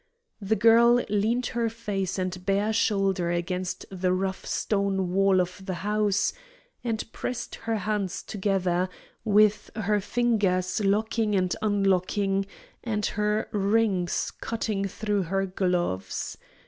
The girl leaned her face and bare shoulder against the rough stone wall of the house, and pressed her hands together, with her fingers locking and unlocking and her rings cutting through her gloves.